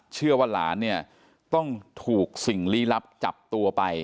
เชื่อว่าหลานเนี่ยต้องถูกสิ่งลี้ลับจับตัวไป